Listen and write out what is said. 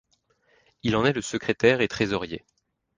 Il en est le secrétaire et trésorier.